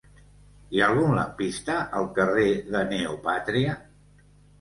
Hi ha algun lampista al carrer de Neopàtria?